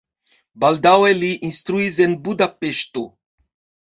Baldaŭe li instruis en Budapeŝto.